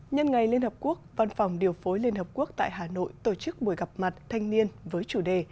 nhân ngày liên hợp quốc văn phòng điều phối liên hợp quốc tại hà nội tổ chức buổi gặp mặt thanh niên với chủ đề